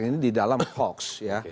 ini di dalam hoaks